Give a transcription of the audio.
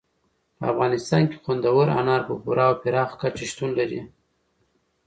په افغانستان کې خوندور انار په پوره او پراخه کچه شتون لري.